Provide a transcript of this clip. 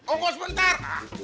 oh kok sebentar